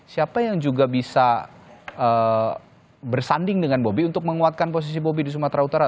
siapa yang juga bisa bersanding dengan bobi untuk menguatkan posisi bobi di sumatera utara